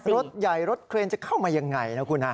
รถใหญ่รถเครนจะเข้ามายังไงนะคุณฮะ